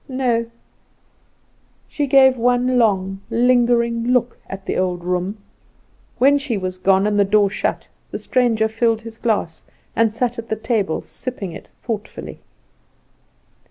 "No." She gave one long, lingering look at the old room. When she was gone, and the door shut, the stranger filled his glass, and sat at the table sipping it thoughtfully.